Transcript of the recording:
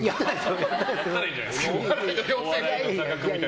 やったらいいじゃないですか。